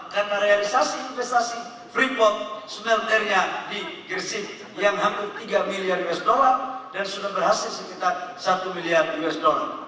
karena realisasi investasi freeport sebenarnya di gersik yang hampir tiga miliar usd dan sudah berhasil sekitar satu miliar usd